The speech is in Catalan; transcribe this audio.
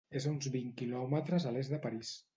És a uns vint quilòmetres a l'est de París.